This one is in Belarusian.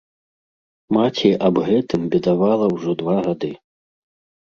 Маці аб гэтым бедавала ўжо два гады.